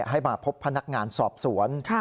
ให้มาพบพนักงานสอบสวน